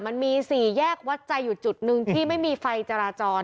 มันมีสี่แยกวัดใจอยู่จุดหนึ่งที่ไม่มีไฟจราจร